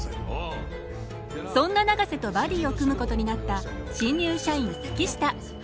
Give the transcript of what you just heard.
そんな永瀬とバディを組むことになった新入社員月下。